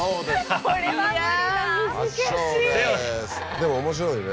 でも面白いね。